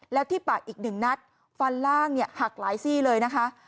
และที่ปากอีก๑นัตริมฟันล่างหักหลายซีเลยนะคะ